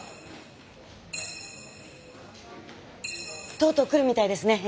とうとう来るみたいですね円